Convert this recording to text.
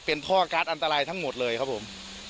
เป็นท่อการ์ดอันตรายทั้งหมดเลยครับผม